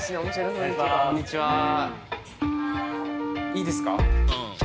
いいですか？